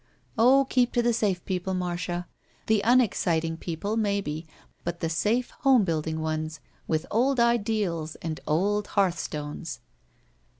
"Oh, keep to the safe people, Marda! The unexciting people, maybe, but the safe home building ones with old ideals and old hearthstones."